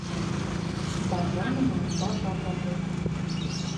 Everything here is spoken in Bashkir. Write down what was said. Бажа менән бажа татыу